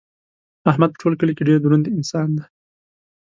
احمد په ټول کلي کې ډېر دروند انسان دی.